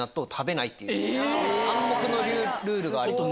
暗黙のルールがあります。